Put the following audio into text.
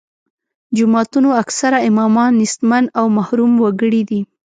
جوماتونو اکثره امامان نیستمن او محروم وګړي دي.